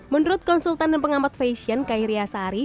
menurut konsultan dan pengamat fashion kairi asari